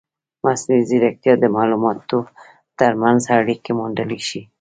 مصنوعي ځیرکتیا د معلوماتو ترمنځ اړیکې موندلی شي.